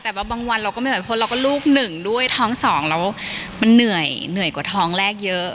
แต่ว่าบางวันเราก็ไม่ไหวเพราะเราก็ลูกหนึ่งด้วยท้องสองแล้วมันเหนื่อยเหนื่อยกว่าท้องแรกเยอะ